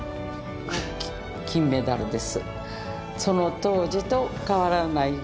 金メダルです。